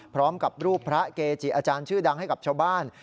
พร้อมกับรูปพระเกจิอาจารย์ชื่อดังให้กับชาวบ้าน